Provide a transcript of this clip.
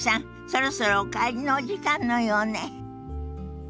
そろそろお帰りのお時間のようね。